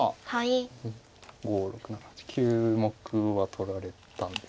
５６７８９目は取られたんです。